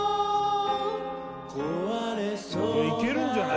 いけるんじゃない？